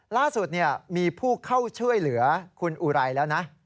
ล่าสุดมีผู้เข้าช่วยเหลือคุณอุไรแล้วนะ